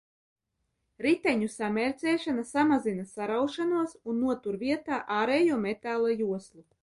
Riteņu samērcēšana samazina saraušanos un notur vietā ārējo metāla joslu.